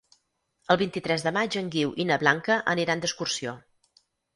El vint-i-tres de maig en Guiu i na Blanca aniran d'excursió.